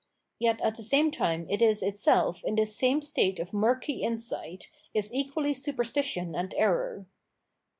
Yet at the same time it is itseK in this same state of murky insight, is equally superstition and error.